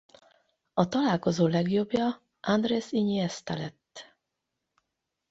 A találkozó legjobbja Andrés Iniesta lett.